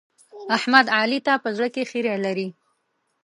احمد؛ علي ته په زړه کې خيری لري.